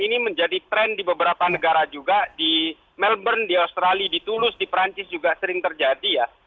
ini menjadi tren di beberapa negara juga di melbourne di australia di tulus di perancis juga sering terjadi ya